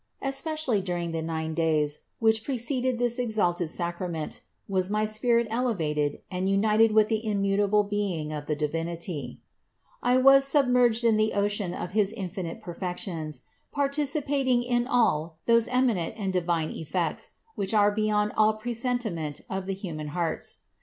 Especially during the nine days, which THE INCARNATION 31 preceded this exalted sacrament was my spirit elevated and united with the immutable being of the Divinity. I was submerged in the ocean of his infinite perfections, participating in all those eminent and divine effect, which are beyond all presentiment of the human hearts.